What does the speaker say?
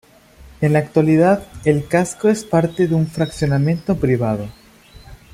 En la actualidad el casco es parte de un fraccionamiento privado.